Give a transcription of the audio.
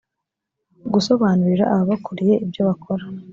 gusobanurira ababakuriye ibyo bakora